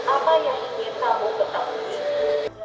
apa yang ingin kamu ketahui